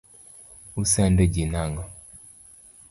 Usando ji nang'o?